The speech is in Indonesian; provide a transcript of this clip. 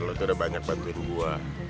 lo tuh udah banyak bantuin gue